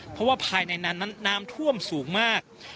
เพราะว่าภายในนั้นนั้นน้ำท่วมสูงมาก